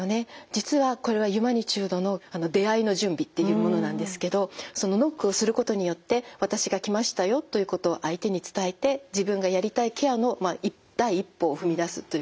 実はこれはユマニチュードの出会の準備っていうものなんですけどそのノックをすることによって私が来ましたよということを相手に伝えて自分がやりたいケアの第一歩を踏み出すということなんです。